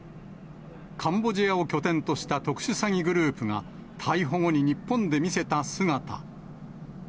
カンボジアを拠点とした特殊詐欺グループが、逮捕後に日本で見せた姿。